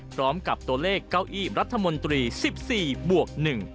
พร้อมกับตัวเลขเก้าอี้รัฐมนตรี๑๔บวก๑